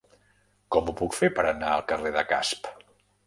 Com ho puc fer per anar al carrer de Casp?